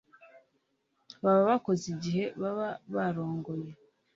baba bakoze igihe baba barongoye